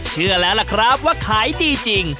เชื่อแล้วล่ะครับว่าขายดีจริง